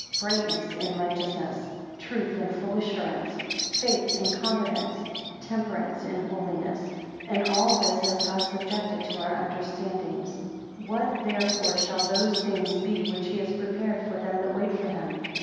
brightness in righteousness! truth in full assurance! faith in confidence! temperance in holiness! 3 And all this has God subjected to our understandings: 4 What therefore shall those things be which he has prepared for them that wait for him?